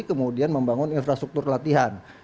kemudian membangun infrastruktur latihan